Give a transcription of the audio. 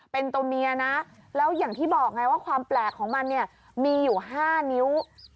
เป็นตัวเมียนะและความแปลกของมันมีอยู่๕นิ้ว